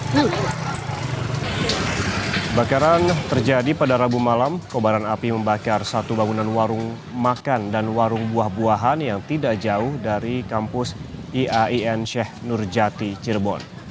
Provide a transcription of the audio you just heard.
kebakaran terjadi pada rabu malam kobaran api membakar satu bangunan warung makan dan warung buah buahan yang tidak jauh dari kampus iain sheikh nurjati cirebon